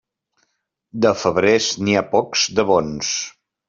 De febrers, n'hi ha pocs de bons.